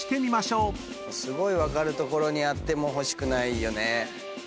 すごい分かる所にあってほしくないよね。